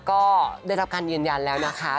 ก็ได้รับการยืนยันแล้วนะคะ